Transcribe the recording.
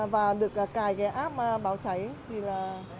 và được cài cái app báo cháy thì là